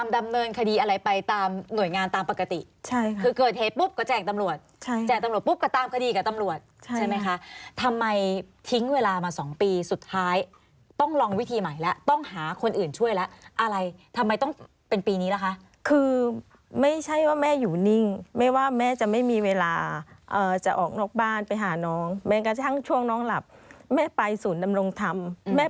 ดำเนินคดีอะไรไปตามหน่วยงานตามปกติใช่คือเกิดเหตุปุ๊บก็แจกตำรวจใช่แจกตำรวจปุ๊บก็ตามคดีกับตำรวจใช่ไหมคะทำไมทิ้งเวลามาสองปีสุดท้ายต้องลองวิธีใหม่แล้วต้องหาคนอื่นช่วยแล้วอะไรทำไมต้องเป็นปีนี้ล่ะคะคือไม่ใช่ว่าแม่อยู่นิ่งไม่ว่าแม่จะไม่มีเวลาจะออกนอกบ้านไปหาน้องแม้กระทั่งช่วงน้องหลับแม่ไปศูนย์ดำรงธรรมแม่